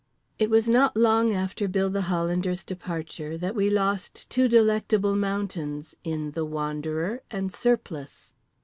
It was not long after Bill the Hollander's departure that we lost two Delectable Mountains in The Wanderer and Surplice.